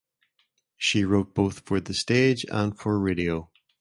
She wrote both for the stage and for radio.